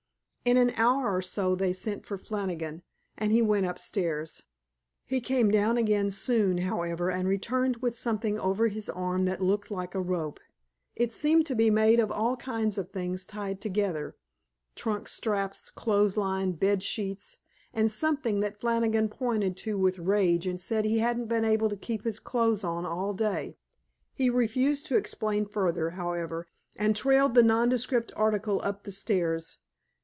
In an hour or so they sent for Flannigan, and he went upstairs. He came down again soon, however, and returned with something over his arm that looked like a rope. It seemed to be made of all kinds of things tied together, trunk straps, clothesline, bed sheets, and something that Flannigan pointed to with rage and said he hadn't been able to keep his clothes on all day. He refused to explain further, however, and trailed the nondescript article up the stairs.